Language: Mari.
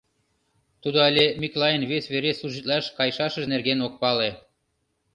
Тудо але Миклайын вес вере служитлаш кайшашыж нерген ок пале.